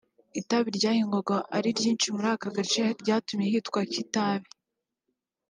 Itabi ryahingwaga ari ryinshi muri aka gace ryatumye hitwa Kitabi